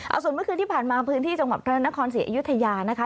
เอาส่วนเมื่อคืนที่ผ่านมาพื้นที่จังหวัดพระนครศรีอยุธยานะคะ